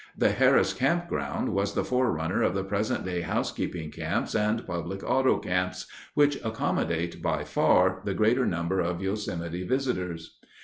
The Harris Camp Ground was the forerunner of the present day housekeeping camps and public auto camps, which accommodate, by far, the greater number of Yosemite visitors.